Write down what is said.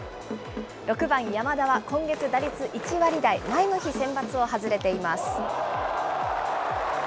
６番山田は今月、打率１割台、前の日、先発を外れています。